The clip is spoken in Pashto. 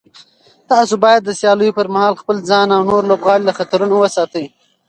تاسو باید د سیالیو پر مهال خپل ځان او نور لوبغاړي له خطرونو وساتئ.